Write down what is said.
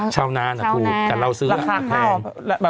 ชาวนานถูกแต่เราซื้อแพง